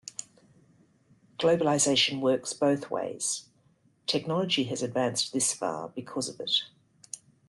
Globalization works both ways. Technology has advanced this far because of it.